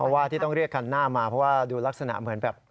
ว่าที่ต้องเรียกคันหน้ามาเพราะว่าดูลักษณะเหมือนแบบ